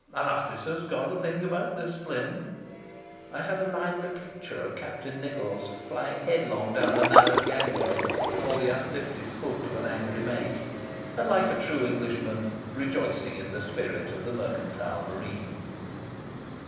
An officer's got to think about discipline." I had a lively picture of Captain Nichols flying headlong down a narrow gangway before the uplifted foot of an angry mate, and, like a true Englishman, rejoicing in the spirit of the Mercantile Marine.